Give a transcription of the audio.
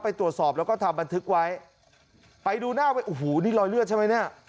ไปตรวจสอบแล้วก็ทำบันทึกไว้ไปดูหน้าไว้โอ้โหนี่รอยเลือดใช่ไหมเนี่ย